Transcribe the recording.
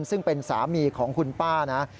ซึ่งเป็นสามีของคุณป้านะ